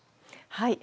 はい。